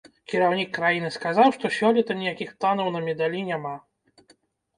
Кіраўнік краіны сказаў, што сёлета ніякіх планаў на медалі няма.